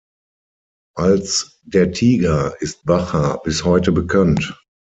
Als „der Tiger“ ist Bacher bis heute bekannt.